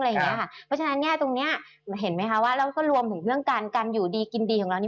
เพราะฉะนั้นตรงนี้เห็นไหมคะว่าเราก็รวมถึงเรื่องการอยู่ดีกินดีของเรา